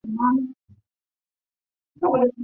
只有一些比较深的地方还留下了一些小湖。